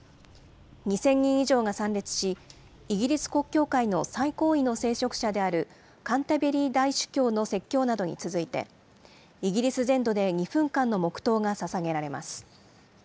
２０００人以上が参列し、イギリス国教会の最高位の聖職者であるカンタベリー大司教の説教などに続いて、イギリス全土で２分間の黙とうがささげられます。